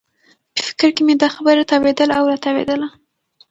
په فکر کې مې دا خبره تاوېدله او راتاوېدله.